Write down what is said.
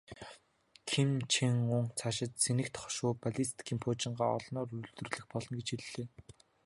Ким Чен Ун цаашид цэнэгт хошуу, баллистик пуужингаа олноор үйлдвэрлэх болно гэж хэллээ.